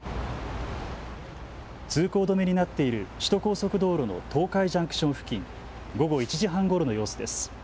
通行止めになっている首都高速道路の東海ジャンクション付近午後１時半ごろの様子です。